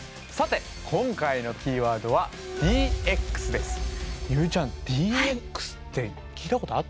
さて今回のキーワードは「ＤＸ」です。